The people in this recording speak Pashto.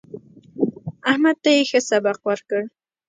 احمد ته يې ښه سبق ورکړ.